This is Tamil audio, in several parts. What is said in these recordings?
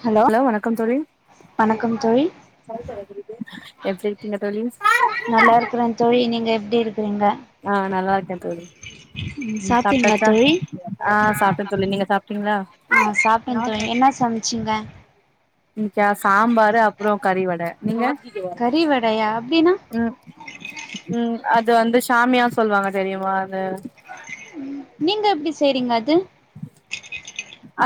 ஹலோ லோ வணக்கம் தோழி வணக்கம் தோழி எப்டி இருக்கீங்க தோழி நல்லாருக்கிறே தோழி நீங்க எப்டி இருக்கிறீங்க ஆ நல்லா இருக்கே தோழி ம் சாப்ட்டீங்களா சாப்ட்டாச்சா தோழி ஆ சாப்ட தோழி நீங்க சாப்டீங்களா ஆ சாப்ட்டேன் தோழி என்ன சமைச்சிங்க இனிக்கா சாம்பாரு அப்றோ கறிவட நீங்க கறி வடையா அப்டின்னா ம் ம் அது வந்து சாமியா சொல்லுவாங்க தெரியுமா அது நீங்க எப்டி செய்றீங்க அது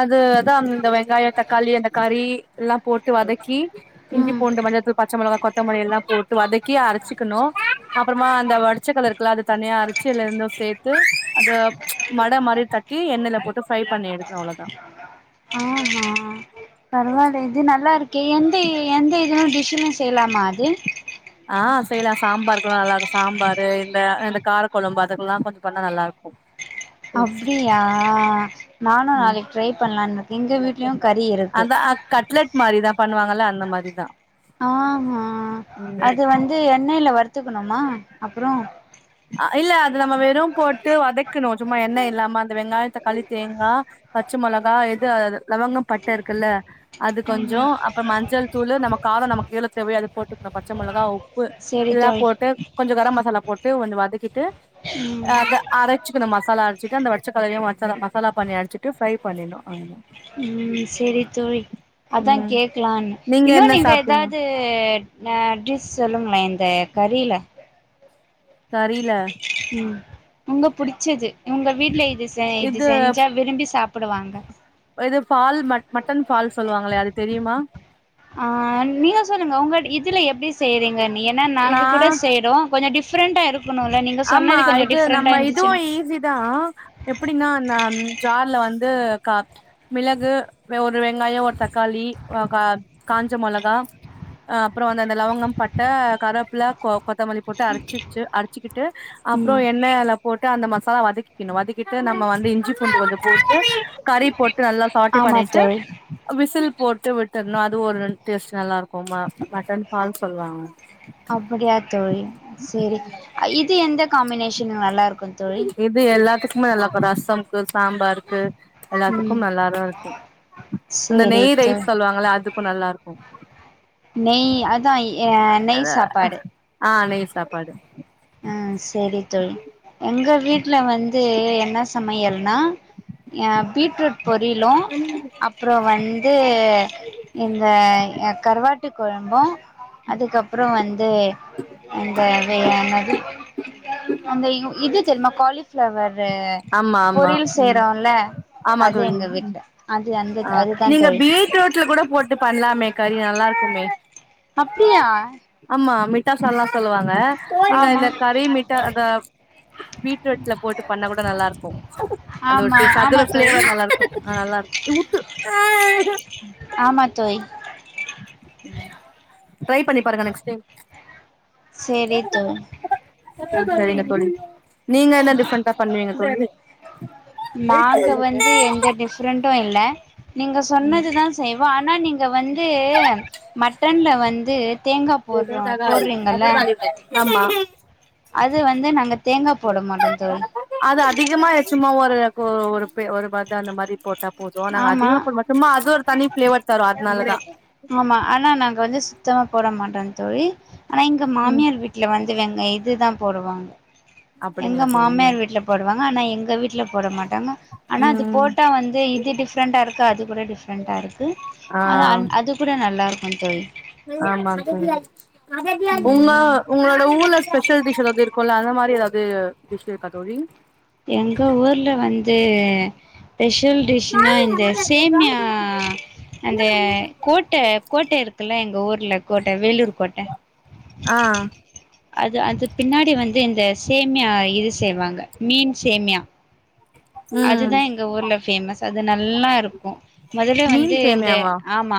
அது அதா இந்த வெங்காயோ தக்காளி அந்த கறி எல்லா போட்டு வதக் கி ம் இஞ்சிபூண்டு மஞ்சத்தூள் பச்சமிளகா கொத்தமல்லி எல்லா போட்டு வதக்கி அரைச்சிக்கணு அப்றமா அந்த ஓடைச்சகள்ள இருக்குல்ல அது தனியா அரைச்சு ரெண்டு சேத்து அத வட மாரி தட்டி எண்ணெல போட்டு ஃப்ரை பண்ணி எடுக்கனு அவ்ளோதா ஆ ஹா பரவாலையே இது நல்லாருக்கே எந்த எந்த இதுலு டிஷ்லு செய்யலாமா அது ஆ செய்யலா சாம்பார்க்கெல்லா நல்லாருக்கு சாம்பாரு இந்த இந்த காரக்குழம்பு அதுக்கெல்லா கொஞ்சோ பண்ணா நல்லாருக்கு அப்டியா நானு ம் நாளைக்கு ட்ரை பண்ணலான்னுக்க எங்க வீட்லயு கறி இருக்கு ஆ கட்லட் மாரிலா பண்ணுவாங்கல்ல அந்த மாரிதா ஆஹா ம் அது வந்து எண்ணெயில வருத்துக்கணுமா அப்றோ அ இல்ல அத நம்ம வெறு போட்டு வதக்கணு சும்மா என்ன இல்லாமா அந்த வெங்காயோ தக்காளி தேங்கா பச்சமொளகா எது லவங்கம் பட்ட இருக்குல்ல அது கொஞ்சோ ம் அப்றோ மஞ்சள் தூளூ நமக் காரோ நமக் எவ்ளோ தேவைையோ அது போட்டுக்கணு பச்சமிளகா உப்பு செரி எல்லா தோழி போட்டு கொஞ்சோ கரம் மசாலா போட்டு கொஞ்சோ வதக்கிட்டு அரைச்சிக்கனு மசாலா அரைச்சுிட்டு அந்த வடச்சக்கலையு மசாலா மசாலா பண்ணி அடிச்சிட்டு ஃப்ரை பண்ணிர்னு அவ்ளோதா ம் செரி தோழி அதா ம் கேக்கலான்னு இன்னு என்ன நீங்க சாப்ட்டீங்க ஏதாது அ டிஸ் சொல்லுங்ளே இந்த கறில கறில ம் உங்க புடிச்சது உங்க வீட்ல இது செ த இது செஞ்சா விரும்பி சாப்படுவாங்க எது ஃபால் மட்டன் ஃபால் சொல்லுவாங்கல்ல அது தெரியுமா நீங்க சொல்லுங்க உங்க இதுல எப்டி செய்றீங்கன்னு ஏன்னா நா நாங்க கூட செய்றோ கொஞ்சோ டிஃரண்ட் ஆ இருக்கு க்கனூல நீ ஆமா இது நம்ம இதுவு ஈஸி தா எப்டின்னா அந்த ஜார்ல வந்து க மிளகு ஒரு வெங்காயோ ஒரு தக்காளி காஞ்ச மொளகா அ அப்றோ வந்த அந்த லவங்கம் பட்ட கரப்பில கோ கொத்தமல்லி போட்டு அரச்சச்ச அரச்சிக்கிட்டு அப்றோ ம் எண்ணெல போட்டு அந்த மசாலா வதக்கிக்கனு வதக்கி ட்டு நம்ம வந்து இஞ்சி பூண்டு கொஞ்சோ போட்டு கறி போட்டு நல்லா பாட்டீ ஆமா பண்ணிட்டு தோழி விசில் போட்டு விட்டர்ணு அது ஒரு ரென் டேஸ்ட் நல்லா இருக்குமா மட்டன் பால்னு சொல்வாங்க அப்டியா தோழி செரி இது எந்த காமினேஷன்னுல நல்லா இருக்கு தோழி இது எல்லாத்துக்குமே நல்லாருக்கு ரசம்க்கு சாம்பாருக்கு ம் எல்லாத்துக்கும் நல்லாதா இருக்கு அந்த சேரி நெய் ரைஸ் தோழி சொல்லுவாங்கள அதுக்கு நல்லாருக்கு நெய் அதா நெய் அதா சாப்பாடு ஆ நெய் சாப்பாடு ஆ செரி தோழி எங்க வீட்ல வந்து என்ன சமையல்னா ஆ பீட்ரூட் பொரியிலு அப்றோ வந்து இந்த ஆ கருவாட்டு கொழம்பு அதுக்கப்றோ வந்து இந்த வே அந்த இது தெரியுமா காலிஃ ஃப்ளவரு ஆமா ஆமா பொரியல் ம் செய்றோல்ல ஆமா அது தோழி எங்க ம் வீட்ல அது அந்த அதுதா தோழி ட்டுல கூட போட்டு பண்லாமே கறிய நல்லா இருக்குமே அப்டியா ஆமா மிட்டா சால்னா சொல்லுவாங்க நீங்க ஆமா இந்த கறி மிட்டா [unintelligible] பீட்ரூட்ல போட்டு பண்ண கூட நல்லா இருக்கு அந்த ஒரு ஆமா டேஸ்ட்டா அதுல ஆமா தோழி ஃப்ளேவர் நல்லா இருக்கு ஆ நல்லா இருக்கு ஆமா தோழி ட்ரை பண்ணி பாருங்க நெக்ஸ்ட் டைம் சேரி தோ செரிங்க தோழி நீங்க என்ன டிஃப்ரெண்டா பண்ணுவீங்க தோழி ஃப்ரெண்ட்டு இல்ல நீங்க ம் சொன்னது தா செய்வோ ஆனா நீங்க வந்து ந்து மட்டன்ல வந்து தேங்கா போட்றோ போ [inaudible] ஆமா அது வந்து நாங்க தேங்கா போட மாட்டோ தோழி அது அதிகமா சும்மா ஒரு ஒரு ஒரு பத்த அந்த மாரி போட்டா போது நாங்க ஆமா அதிகமா போட மாட்டோ சும்மா அது ஒரு தனி ஃப்ளேவர் தர்ரு அதுனாலதா ஆமா ஆனா நாங்க வந்து சுத்தமா போட மாட்டோ தோழி ஆனா எங்க ம் மாமியார் விட் ட்ல வந்து வெங்க இதுதா போடுவாங்க எங்க அப்டிங்களா தோழி மாமியார் வீட்ல போடுவாங்க ஆனா எங்க வீட்ல போட மாட்டாங்க ஆனா அது ம் போட்டா வந்து இது டிஃப்ரெண்ட்டா இருக்கு அது கூட டிஃப்ரெண்ட்டா இருக்கு ஆ அன் அது கூட நல்லா இருக்கு தோழி ஆமாங் தோழி உங்க ம் உங்களோட ஊர்ல ஸ்பெஷல் டிஷ் எதாவது இருக் குல்ல அந்த மாரி எதாவது டிஷ் இருக்கா தோழி எங்க ஊர்ல வந்து ஸ்பெஷல் டிஷ்னா இந்த சேம்யா அந்த கோட் ட்ட கோட்ட இருக்குல்ல எங்க ஊர்ல கோட்ட வேலூர் கோட்ட ஆ அது அது பின்னாடி வந்து இந்த சேமியா இது செய்வாங்க மீன் சேமியா ம் அதுதா எங்க ஊர்ல ஃபேமஸ் அது நல்லா இருக்கு மொதல்ல வந்து மீன் இந்த சேமியாவா ஆமா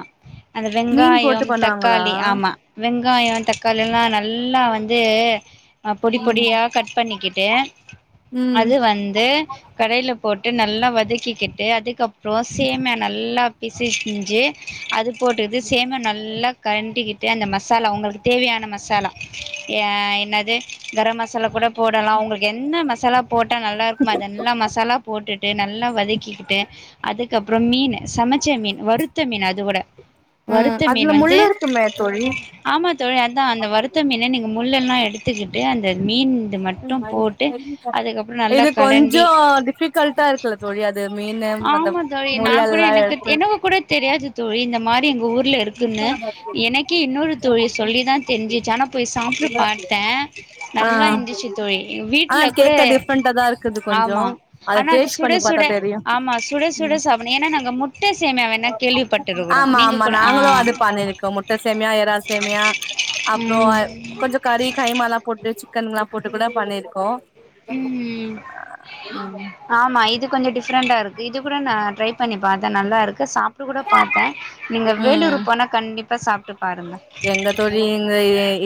அந்த மீன் போட்டு வெங்காயம் பண்ணுவாங்களா தக்காளி ஆமா வெங்காயம் தக்காளி எல்லா நல்லா வந்து ஆ பொடி பொடியா கட் பண்ணிக்கிட்டு ம் அது வந்து கடையில போட்டு நல்லா வதக்கிக்கிட்டு அதுக்கப்றோ சேம்யா நல்லா பிசிஸ்சிஞ்சு அது போட்டுது சேம்யா நல்லா கலண்டிக்கிட்டு அந்த மசாலா உங்களுக்கு தேவயான மசாலா என்னது கரம் மசாலா கூட போடலாம் உங்களுக்கு என்ன மசாலா போட்டா நல்லா இருக்குமோ அதெல்லாம் மச சாலா போட்டுட்டு நல்லா வதக்கிக்கிட்டு அதுக்கப்புறம் மீனு சமச்ச மீனு வருத்த மீனு அது கூட ம் வருத்த அதுல மீன் வந்து முள்ளு இருக்குமே தோழி ஆமா தோழி அதான் அந்த வருத்த மீன நீங்க முள்ளெல்லாம் எடுத்துக்கிட்டு அந்த மீன் இது மட்டும் போட்டு அதுக்கப்புறம் நல்லா களண்டி ஆ அது மீனு அந்த ஆமா தோழி நா கூட முள்ளெல்லா எனக்கு எடுத்து எனக்கு கூட தெரியாது தோழி இந்த மாரி ஊர்ல இருக்குன்னு எனக்கே இன்னொரு தோழி சொல்லி தா தெரிஞ்சிச்சு ஆனா போய் சாப்ட்டு பாத்தே ஆ நல்லா இருந்துச்சு தோழி ஆ வீட்ல கூட கேக்க டிஃப்ரெண்டா தா இருக்குது கொஞ்சோ ஆமா அத ஆனா அது டேஸ்ட் சுட பண்ணி பாத்தா சுட தெரியு ஆமா சுட சுட ம் செவனேனு நாங்க முட்டை சேமியான்னா கேள்விப்பட்டுருக்கறோம் ஆமா மீனு ஆமா நாங்களும் அது பண்ணிருக்கோம் முட்டை சேமியா எரா சேமியா அப்றம் ம் கொஞ்சம் கறி கைம எல்லாம் போட்டு சிக்கன்ல்லாம் போட்டு கூட பண்ணிருக்கோம் ம் ஆமா இது கொஞ்சம் டிஃப்ரெண்டா இருக்கு இது கூட நான் ட்ரை பண்ணி பாத்தேன் நல்லா இருக்கு சாப்ட்டு கூட பாத்தேன் நீங்க வேலூர் ம் போனா கண்டிப்பா சாப்ட்டு பாருங்க எங்க தோழி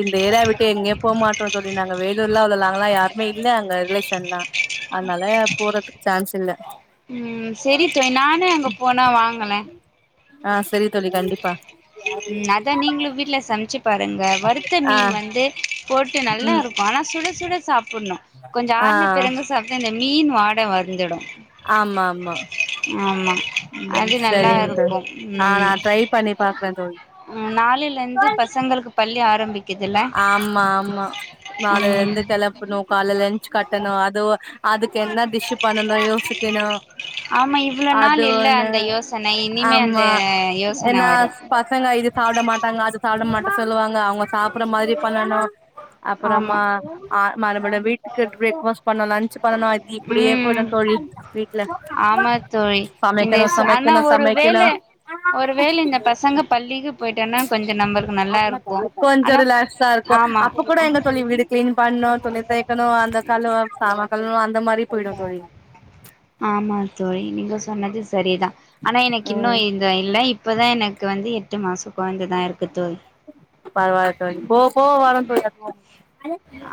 இந்த ஏரிய விட்டு எங்கே போக மாட்டோம் தோழி நாங்க வேலூர்லாம் அவ்ளோ லாங்கலா யாருமே இப்ப இல்ல அங்க ரிலேஷன்லா அதனால போறதுக்கு சான்ஸ் இல்ல ம் செரி தோழி நானே அங்கே போனால் வாங்கலே ஆ செரி தோழி கண்டிப்பா ம் அத நீங்களும் வீட்ல சமைச்சு பாருங்க வருத்த ஆ மீன் வந்து போட்டு நல்லா ம் இருக்கும் ஆனா சுட சுட சாப்டணும் கொஞ்சம் ஆ ஆறுண பிறகு சா இந்த மீன் வாடை வந்துடும் ஆமா ஆமா ம் அது நல்லா செரிங்க இருக்கு தோழி ட்ரை பண்ணி பாக்கிறேன் ம் நாலேலெருந்து பசங்களுக்கு பள்ளி ஆரம்பிக்கும் ஆமா ஆமா நாளை ம் எழுந்து கெளப்பணும் காலைலென்சு கட்டணும் அதுவும் அதுக்கு என்ன டிஷ்ஸ் பண்ணணு யோசிக்கணும் ஆமா இவ்ளோ அது நாள் இல்ல ஒன்னு அந்த யோசனை இனிமே அந்த ஆமா யோசன என்னா வரு பசங்க இது சாப்ட மாட்டாங்க அது சாப்ட மாட்டே சொல்லுவாங்க அவங்க சாப்டுற மாரி பண்ணணும் ஆமா அப்றமா ஆ மறுபடியு வீட்டுக்கு பிரேக்ஃபாஸ்ட் பண்ணும் லன்ச் பண்ணனும் அது இப்டியே ம் போயிடும் தோழி வீட்ல ஆமா தோழி இந்த சமைக்கணு ஆனா சமைக்கணு ஒரு சமைக்கணு வேளை ஒரு வேளை இந்த பசங்க பள்ளிக்கு போயிட்டானா கொஞ்சம் நம்பளுக்கு நல்லா இருக்கும் ஆனா [unintelligible] இருக்கும் ஆமா அப்ப கூட எங்க தோழி வீடு கிளீன் பண்ணும் தூணி துவைக்கணும் அந்த காலம் சாம காலணும் அந்த மாரி போயிடும் தோழி ஆமா தோழி நீங்க சொன்னது சரிதான் ஆனா எனக்கு இன்னு ம் இல்லை இப்போதான் எனக்கு வந்து எட்டு மாசம் கொழந்தை தான் இருக்கு தோழி பரவால்ல தோழி போக போக வரும் தோழி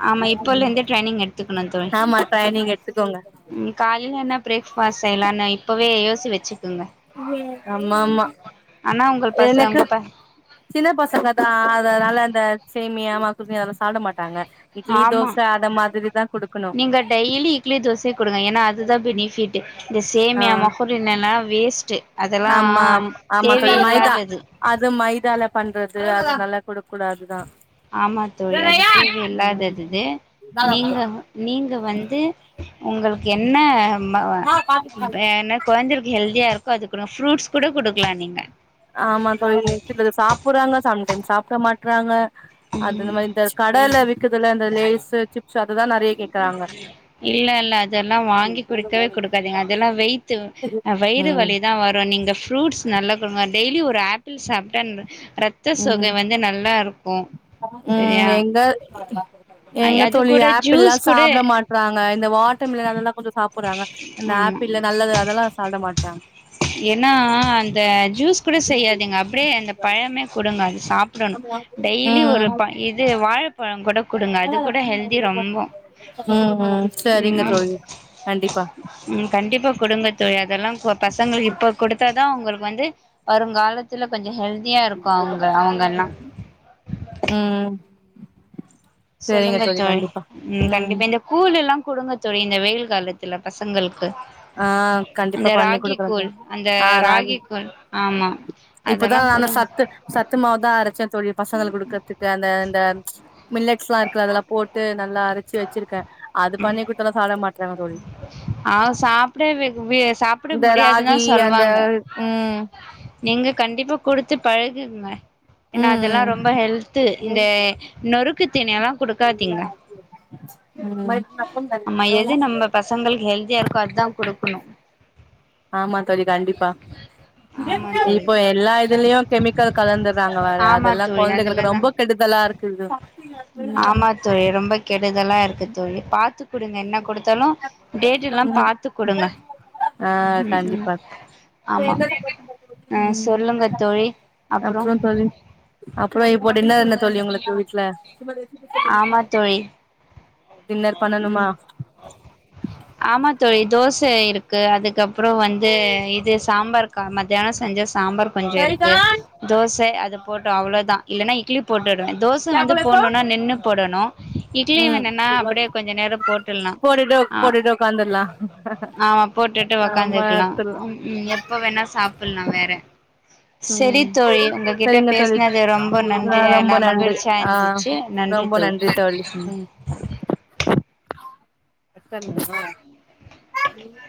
ஆமா இப்போல இருந்தே ட்ரைனிங் எடுத்துக்கணு தோழி ஆமா [unintelligible] எடுத்துக்கோங்க ம் காலையில என்ன பிரேக்ஃபாஸ்ட் செய்யலாம்னு இப்பவே யோசிச்சு வச்சுக்கோங்க ஆமா ஆமா உங்கள் பச எனக்கு உங்க ப சின்ன பசங்க தான் அதனால அந்த சேமியமா [unintelligible] அதெல்லாம் சாப்ட மாட்டாங்க இட்லி ஆமா தோச அட மாரி தான் கொடுக்கணும் நீங்க டெய்லி இட்லி தோசையை கொடுங்க ஏன்னா அதுதான் பெனிஃபிட் இந்த ஆ சேமியா மகல் என்னென்னா வேஸ்ட் ட்டு அதல்லா ஆமா ஆம் ஆமா தோழி மைதா தேவையில்லாதது அது மைதால பண்றது அது நல்லா குடுக் கூடாதுதா ஆமா தோழி அது தேவ ம் இல்லாததுதது நீங்க நீங்க வந்து உங்களுக்கு என்ன ம பே என்ன கொரஞ்சுருக்கு ஹல்தியா இருக்கோ அதுக்கு நா ஃப்ரூடஸ் கூட குடுக்கலா நீங்க ஆமா தோழி [unintelligible] சாப்பிடுறாங்க சம்டைம்ஸ் சாப்பட மாட்றாங்க அது இந்த மாரி இந்த கடல விக்குதுல்ல இந்த லேஸு சிப்ஸ் அதுதா நறைய கேக்குறாங்க இல்ல இல்ல அதல்லா வாங்கி குடுக்கவே குடுக்காதீங்க அதெல்லா வெயிட்டு அ வயிறு ம் வலிதா வரு நீங்க ஃப்ரூட்ஸ் நல்லா குடுங்க டெய்லி ஒரு ஆப்பிள் சாப்ட்டா ன் ரத் ம் ம் சரியா எங்க எங்க அது தோழி கூட ஆப் பிள்லா ஜூஸ் கூட சாப்ட மாட்றாங்க இந்த வாட்டர் மிலான் எல்லா கொஞசோ சாப்பிடுறாங்க இந்த ஆமா ஆப்பிள்ல நல்லது அதல்லா சாப்ட மாட்றாங்க என்னா அந்த ஜூஸ் கூட செய்யாதிங்க அப்டியே அந்த பழமே குடுங்க அது சா டணு டெய்லி ஒரு ம் ப இது வாழப்பழோ கூட குடுங்க அது கூட ஹெல்தி ரொம் ம்ம் செரிங்க தோழி கண்டிப்பா ம் கண்டிப்பா குடுங்க தோயி அதல்லா பசங்களுக்கு இப்ப குடுத்தாதா அவுங்களுக்கு வந்து வருங்காலத்துல கொஞ்சோ ஹெல்தியா இருக்கு அவுங்க அவுங்கலா ம்ம் சொல்லுங்க தோழி ம் கண்டிப்பா இந்த கூலுல்லா குடுங்க தோழி இந்த வெயில் காலத்துல பசங்களுக்கு ஆ கண்டிப்பா இந்த பண்ணி ராகி குடுக்குறே கூழ் தோழி அந்த ராகி கூழ் ஆமா இப்பதா அதெல்லா நானு குடுங்க சத்து சத்துமாவுதா அரச்ச தோழி பசங்கள் குடுக்கறத்துக்கு அந்த அந்த மில்லெட்ஸ்லா இரு க்கு அதல்லா போட்டு நல்லா அரச்சு வெச்சிருக்க அது பண்ணி குடுத்தாலு சாப்ட மாட்றாங்க தோழி ஆ சாப்டவி வி சாப்ட இந்த முடியாதுனா ராகி அந்த சொல்வாங்க ம் நீங்க கண்டிப்பா குடுத்து பழகுங்க ஏனா அதல்லா ம் ரொம்ப ஹெல்து இந்த நொறுக்கு தீனியெல்லா குடுக்காதிங்க ம் அம்மா எது நம்ம பசங்கள்க்கு ஹெல்தியா இர்க்கோ அதா குடுக்கணு ஆமா தோழி கண்டிப்பா ஆமா தோழி இப்ப எல்லா இதுலயு கெமிக்கல் கலந்துறாங்க வேற ஆமா அதெல்லா தோழி கொழந்தகளுக்கு அதுலதா ரொம்ப கெடுதலாருக் [unintelligible] ஆமா தோழி ரொம்ப கெடுதலா இருக்கு தோழி பாத்து குடுங்க என்ன குடுத் தலு டேட்டெல்லா பாத்து குடுங்க ஆ ம் ம் கண்டிப்பா ஆமா அ சொல்லுங்க தோழி அப்றோ அப்றோ இப்போ டின்னர் என்ன தோழி உங்குளுக்கு வீட்ல ஆமா தோழி டின்னர் ம்ம் பண்ணணுமா ஆமா தோழி தோச இருக்கு அதுக்கப்றோ வந்து இது சாம்பார் கா மத்தியானோ செஞ்ச சாம்பார் கொஞ்சோ இருக்கு தோச அது போட்டு அவ்ளோதா இல்லனா இட்லி உப் போட்டுடுவ தோச வந்து போடணுணா நின்னு போடணு இட்லி ம் வேனுனா அப்படே கொஞ்ச நேரோ போட்டர்லா போட்டுட்டு அ போட்டுட்டு உக்காந்துர்லா ஆமா போட்டுட்டு ஆமா உக்காந்துக்கலா எடுத்துர்லா ம் எப்ப வேணா சாப்புல்லா வேற செரி ம் தோழி உங்ககிட்ட சரிங்க தோழி பேஸ்னது ரொம்ப ஆ நன்றி ரொம்ப நா நன்றி மகிழ்ச்சியா ஆ இருந்துச்சு நன்றி தோழி ம் எத்தனா